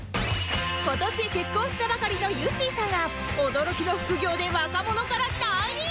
今年結婚したばかりのゆってぃさんが驚きの副業で若者から大人気！？